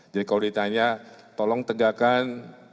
jadi kalau ditanya tolong tegakkan